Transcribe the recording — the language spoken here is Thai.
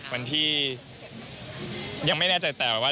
วันที่ยังไม่แน่ใจแต่ว่า